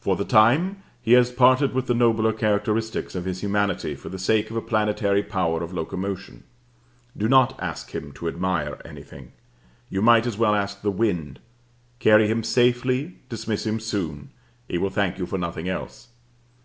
For the time he has parted with the nobler characteristics of his humanity for the sake of a planetary power of locomotion. Do not ask him to admire anything. You might as well ask the wind. Carry him safely, dismiss him soon: he will thank you for nothing else.